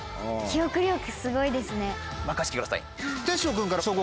任してください。